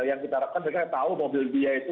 yang kita harapkan karena saya tahu mobil dia itu